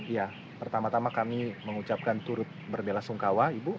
ya pertama tama kami mengucapkan turut berbela sungkawa ibu